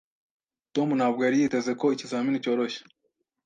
Tom ntabwo yari yiteze ko ikizamini cyoroshye.